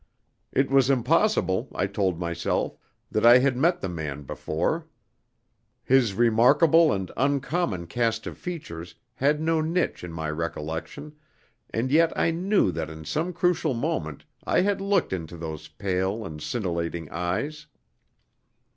It was impossible, I told myself, that I had met the man before. His remarkable and uncommon cast of features had no niche in my recollection, and yet I knew that in some crucial moment I had looked into those pale and scintillating eyes.